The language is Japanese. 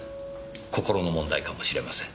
心の問題かもしれません。